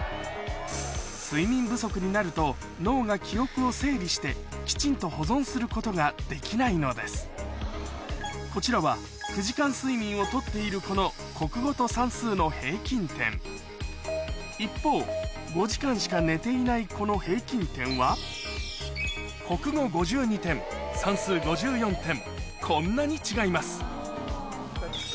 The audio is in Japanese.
睡眠不足になると脳が記憶を整理してきちんと保存することができないのですこちらは９時間睡眠を取っている子の国語と算数の平均点一方５時間しか寝ていない子の平均点はこんなに違います